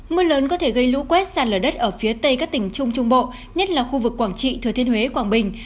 mưa lớn có thể gây lũ quét sạt lở đất ở phía tây các tỉnh trung trung bộ nhất là khu vực quảng trị thừa thiên huế quảng bình